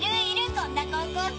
こんな高校生！